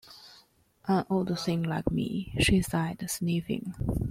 “An old thing like me!” she said, sniffing.